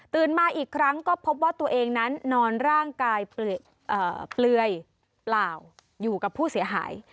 มาอีกครั้งก็พบว่าตัวเองนั้นนอนร่างกายเปลือยเปล่าอยู่กับผู้เสียหาย